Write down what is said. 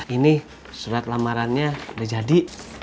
ini surat lamarannya udah jadi